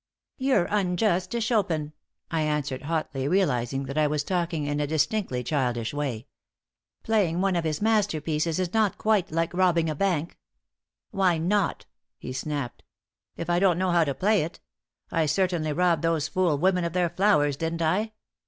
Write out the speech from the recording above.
"You're unjust to Chopin," I answered, hotly, realizing that I was talking in a distinctly childish way. "Playing one of his masterpieces is not quite like robbing a bank." "Why not," he snapped, "if I don't know how to play it? I certainly robbed those fool women of their flowers, didn't I?